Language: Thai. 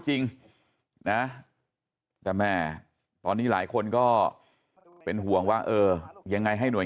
จริงนะแต่แม่ตอนนี้หลายคนก็เป็นห่วงว่าเออยังไงให้หน่วย